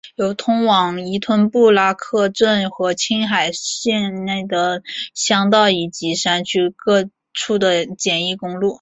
有通往依吞布拉克镇和青海境内的乡道以及山区各处的简易公路。